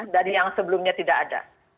dari yang sebelumnya tidak ada